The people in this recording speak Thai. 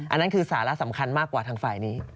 อันนั้นคือสาระสำคัญมากกว่าทางฝ่ายนี้